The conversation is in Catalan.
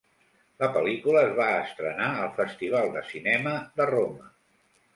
La pel·lícula es va estrenar al Festival de Cinema de Roma.